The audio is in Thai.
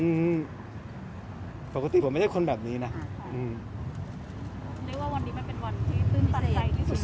รู้ว่าวันนี้มันเป็นวันที่เป็นตันใจที่สุดนะ